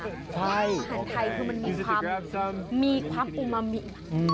อาหารไทยคือมันมีความอุมามิ